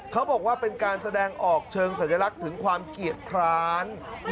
เขาบอกว่าเป็นการแสดงออกเชิงสัญลักษณ์ถึงความเกียรติคลาน